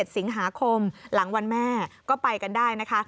สิงหาคมหลังวันแม่ก็ไปกันได้นะคะ